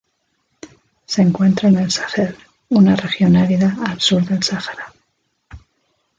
Se encuentra en el Sahel, una región árida al sur del Sahara.